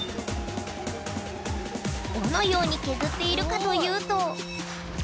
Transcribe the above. どのように削っているかというと。